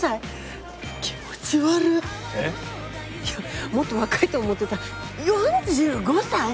いやもっと若いと思ってた４５歳！？